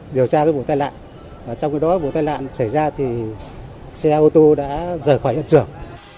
điều tra cái vụ tai nạn trong khi đó vụ tai nạn xảy ra thì xe ô tô đã rời khỏi hiện trường